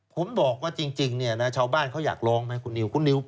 ผมบอกว่าจริงชาวบ้านเขาอยากร้องไหมคุณนิ้ว